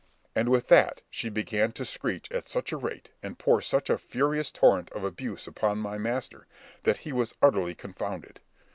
And with that she began to screech at such a rate, and pour such a furious torrent of abuse upon my master, that he was utterly confounded.